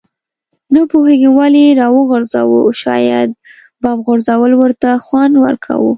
نه پوهېږم ولې یې راوغورځاوه، شاید بم غورځول ورته خوند ورکاوه.